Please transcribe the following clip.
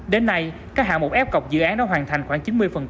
đến nay các hạng một f cọc dự án đã hoàn thành khoảng chín mươi